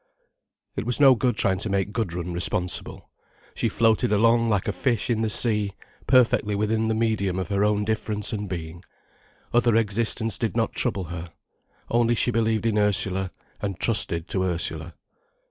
It was no good trying to make Gudrun responsible. She floated along like a fish in the sea, perfect within the medium of her own difference and being. Other existence did not trouble her. Only she believed in Ursula, and trusted to Ursula.